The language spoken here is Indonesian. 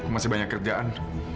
masih banyak kerjaan